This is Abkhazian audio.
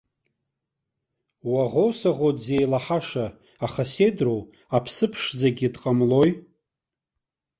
Уаӷоу-саӷоу дзеилаҳаша, аха сеидру, аԥсы ԥшӡагьы дҟамлои.